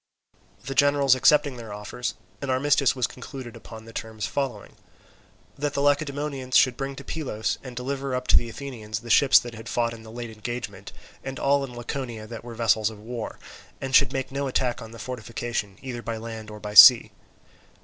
The generals accepting their offers, an armistice was concluded upon the terms following: That the Lacedaemonians should bring to Pylos and deliver up to the Athenians the ships that had fought in the late engagement, and all in Laconia that were vessels of war, and should make no attack on the fortification either by land or by sea.